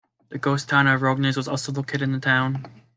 The ghost town of Rogneys was also located in the town.